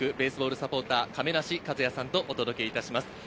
サポーター・亀梨和也さんとお届けします。